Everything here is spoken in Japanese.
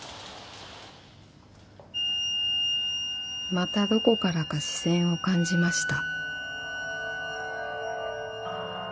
［またどこからか視線を感じました］